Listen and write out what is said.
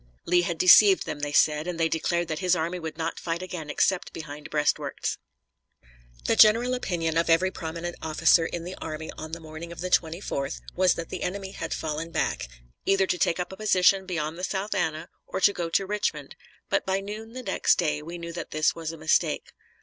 Lee had deceived them, they said, and they declared that his army would not fight again except behind breastworks. The general opinion of every prominent officer in the army on the morning of the 24th was that the enemy had fallen back, either to take up a position beyond the South Anna or to go to Richmond, but by noon the next day we knew this was a mistake.